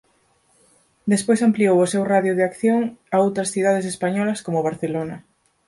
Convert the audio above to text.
Despois ampliou o seu radio de acción a outras cidades españolas como Barcelona.